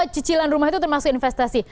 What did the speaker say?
jadi ini juga investasi